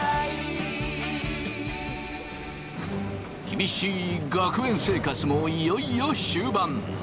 厳しい学園生活もいよいよ終盤。